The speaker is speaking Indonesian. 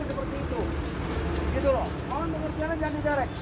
mohon pengertiannya jangan di derek